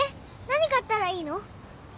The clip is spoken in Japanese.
何買ったらいいの？